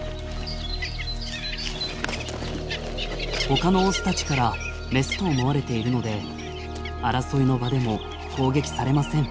ほかのオスたちからメスと思われているので争いの場でも攻撃されません。